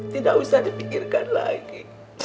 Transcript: tidak usah dipikirkan lagi